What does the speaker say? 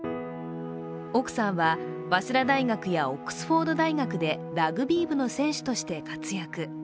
奥さんは早稲田大学やオックスフォード大学でラグビー部の選手として活躍。